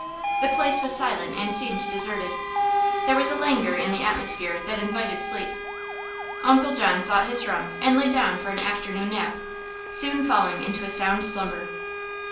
The place was silent and seemed deserted. There was a languor in the atmosphere that invited sleep. Uncle John sought his room and lay down for an afternoon nap, soon falling into a sound slumber.